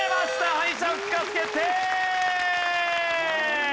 敗者復活決定！